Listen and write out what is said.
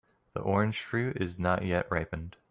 The orange fruit is not yet ripened.